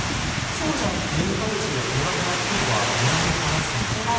大木さん、念のためですがモラハラというのはモラルハラスメント。